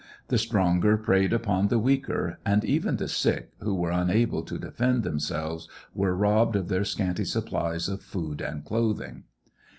The stronger preyed upon the weaker, and even the sick, who were unable to de fend themselves, were robbed of their scanty supplies of food and clothing.